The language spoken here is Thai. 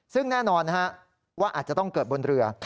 ซึ่งแน่นอนว่าอาจจะต้องเกิดบนเรือ